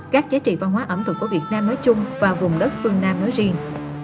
các giá trị văn hóa ẩm thực của việt nam nói chung và vùng đất phương nam nói riêng